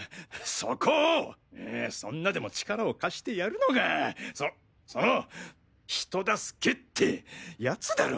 そこをそんなでもチカラを貸してやるのがそっその人助けってやつだろ！